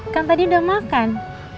kan tadi udah makan